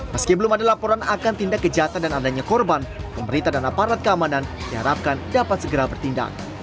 meski belum ada laporan akan tindak kejahatan dan adanya korban pemerintah dan aparat keamanan diharapkan dapat segera bertindak